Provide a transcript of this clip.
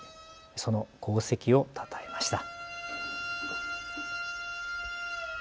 その功績をたたえました。